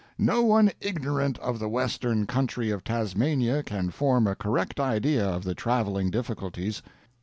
No one ignorant of the western country of Tasmania can form a correct idea of the traveling difficulties.